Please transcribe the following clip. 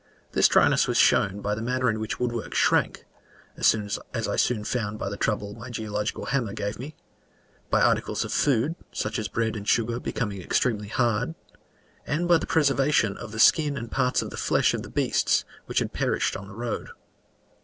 This dryness was shown by the manner in which woodwork shrank (as I soon found by the trouble my geological hammer gave me); by articles of food, such as bread and sugar, becoming extremely hard; and by the preservation of the skin and parts of the flesh of the beasts, which had perished on the road.